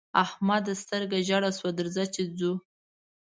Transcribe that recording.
احمده! سترګه ژړه شوه؛ درځه چې ځو.